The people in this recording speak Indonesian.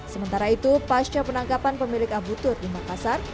sementara itu pasca penangkapan pemilik abu tur di makassar